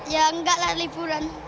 ya enggak lah liburan